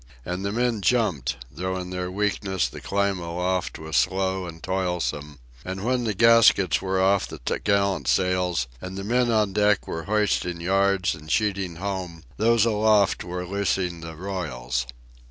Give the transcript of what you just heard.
And the men jumped, though in their weakness the climb aloft was slow and toilsome; and when the gaskets were off the topgallant sails and the men on deck were hoisting yards and sheeting home, those aloft were loosing the royals.